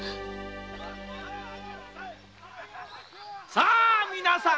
さ皆さん。